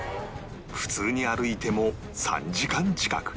普通に歩いても３時間近く